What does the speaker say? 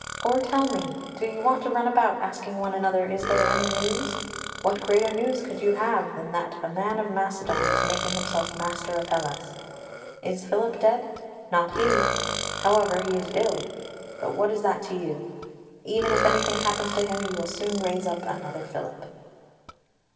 "Or tell me, do you want to run about asking one another, is there any news? what greater news could you have than that a man of Macedon is making himself master of Hellas? Is Philip dead? Not he. However, he is ill. But what is that to you? Even if anything happens to him you will soon raise up another Philip."